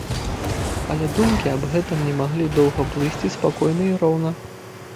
Але думкі аб гэтым не маглі доўга плысці спакойна і роўна.